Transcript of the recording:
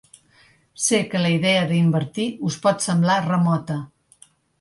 Sé que la idea d’invertir us pot semblar remota.